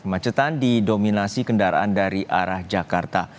kemacetan didominasi kendaraan dari arah jakarta